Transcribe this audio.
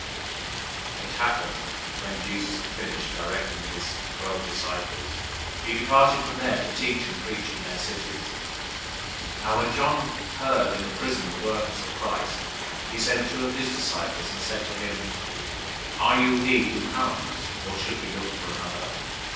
011:001 It happened that when Jesus had finished directing his twelve disciples, he departed from there to teach and preach in their cities. 011:002 Now when John heard in the prison the works of Christ, he sent two of his disciples 011:003 and said to him, "Are you he who comes, or should we look for another?"